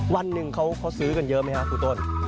วันหนึ่งเขาซื้อกันเยอะไหมครับครูต้น